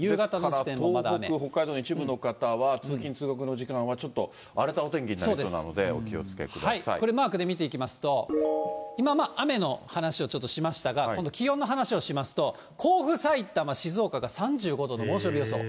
ですから東北、北海道の一部の方は、通勤・通学の時間帯はちょっと荒れたお天気になりそうなので、おマークで見ていきますと、今、雨の話をちょっとしましたが、今度気温の話をしますと、甲府、さいたま、静岡が３５度の猛暑日予想。